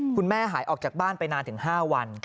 คุณแม่หายออกจากบ้านไปนานถึง๕วัน